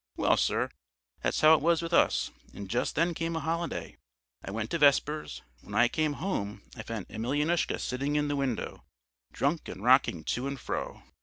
Well, sir, that's how it was with us; and just then came a holiday. I went to vespers; when I came home I found Emelyanoushka sitting in the window, drunk and rocking to and fro.